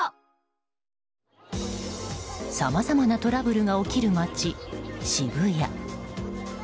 さまざまなトラブルが起きる街渋谷。